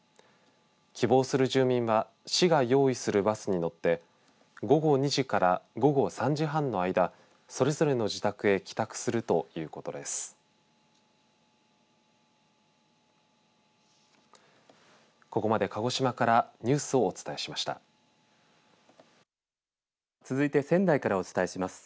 希望する住民は市が用意するバスに乗って午後２時から午後３時半の間それぞれの自宅へ帰宅するということです。